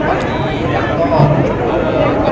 มุมการก็แจ้งแล้วเข้ากลับมานะครับ